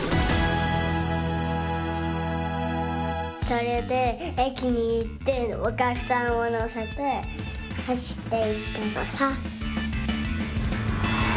それでえきにいっておきゃくさんをのせてはしっていったとさ。